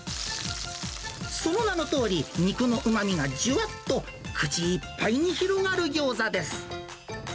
その名のとおり、肉のうまみがじゅわっと、口いっぱいに広がるギョーザです。